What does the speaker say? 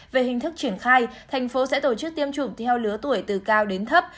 về hình thức triển khai thành phố sẽ tổ chức tiêm chủng theo lứa tuổi từ cao đến thấp